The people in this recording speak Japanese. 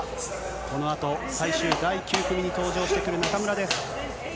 このあと最終第９組に登場してくる中村です。